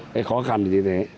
cái khó khăn như thế